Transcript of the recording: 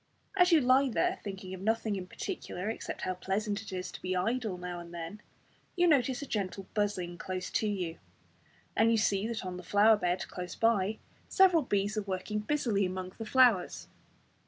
As you lie there thinking of nothing in particular, except how pleasant it is to be idle now and then, you notice a gentle buzzing close to you, and you see that on the flower bed close by, several bees are working busily among the flowers.